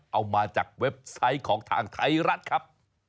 เอามาจากเว็บไซต์ของทางไทยรัฐครับ